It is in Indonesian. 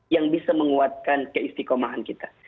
yang bisa menguatkan keistikomahan kita